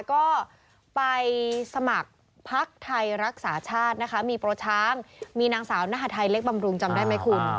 ก็ไปสมัครพักไทยรักษาชาตินะคะมีโปรช้างมีนางสาวนหาทัยเล็กบำรุงจำได้ไหมคุณ